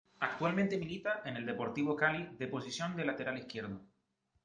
Actualmente milita en el Deportivo Cali de posición de Lateral Izquierdo.